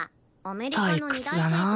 退屈だなあ